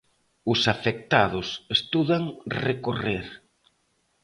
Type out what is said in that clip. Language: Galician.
Os afectados estudan recorrer.